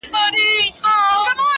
څوک وایي گران دی، څوک وای آسان دی~